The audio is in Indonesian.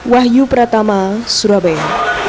wahyu pratama surabaya